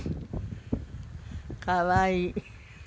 可愛い。